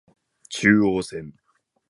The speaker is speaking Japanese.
中央線